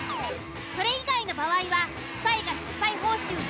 それ以外の場合はスパイが失敗報酬